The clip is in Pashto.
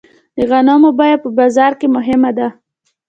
د غنمو بیه په بازار کې مهمه ده.